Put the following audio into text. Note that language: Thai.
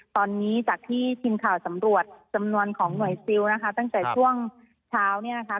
ตอนนี้จากที่ทีมข่าวสำรวจจำนวนของหน่วยซิลนะคะตั้งแต่ช่วงเช้าเนี่ยนะคะ